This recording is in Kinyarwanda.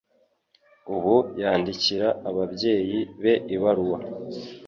Ubu yandikira ababyeyi be ibaruwa.